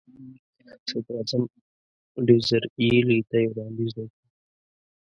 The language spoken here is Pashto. صدراعظم ډیزراییلي ته یې وړاندیز وکړ.